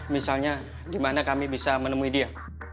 misalnya dimana kami bisa menemui dia